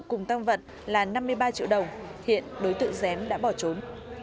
cùng tăng vận là năm mươi ba triệu đồng hiện đối tượng dém đã bỏ trốn